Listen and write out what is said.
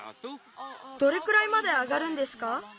どれくらいまで上がるんですか？